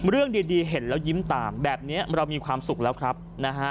เรื่องดีเห็นแล้วยิ้มตามแบบนี้เรามีความสุขแล้วครับนะฮะ